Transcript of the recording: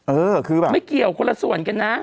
เออคือแบบไม่เกี่ยวคนละส่วนกันนะ